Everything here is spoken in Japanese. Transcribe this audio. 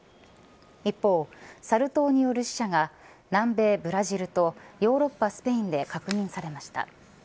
一方、サル痘による死者が南米ブラジルとヨーロッパスペインで確認されました。